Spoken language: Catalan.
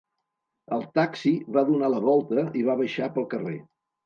El taxi va donar la volta i va baixar pel carrer.